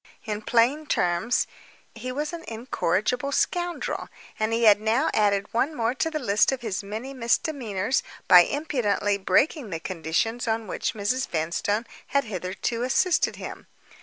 In plain terms, he was an incorrigible scoundrel; and he had now added one more to the list of his many misdemeanors by impudently breaking the conditions on which Mrs. Vanstone had hitherto assisted him.